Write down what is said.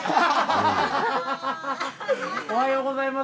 おはようございます。